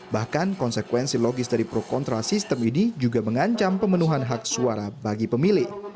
bahkan konsekuensi logis dari pro kontra sistem ini juga mengancam pemenuhan hak suara bagi pemilih